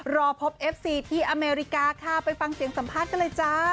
รอพบเอฟซีที่อเมริกาค่ะไปฟังเสียงสัมภาษณ์กันเลยจ้า